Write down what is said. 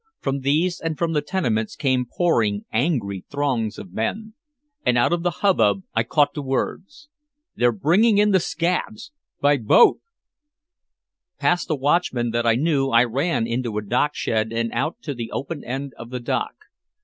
From these and from the tenements came pouring angry throngs of men. And out of the hubbub I caught the words, "They're bringing in the scabs! By boat!" Past a watchman that I knew I ran into a dockshed and out to the open end of the dock.